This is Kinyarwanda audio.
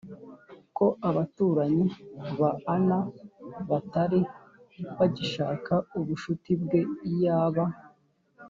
ko abaturanyi ba Anna batari bagishaka ubushuti bwe Iyaba